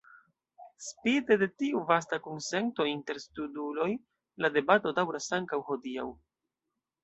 Spite de tiu vasta konsento inter studuloj, la debato daŭras ankaŭ hodiaŭ.